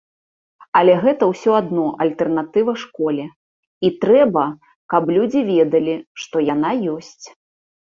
Але гэта ўсё адно альтэрнатыва школе, і трэба, каб людзі ведалі, што яна ёсць.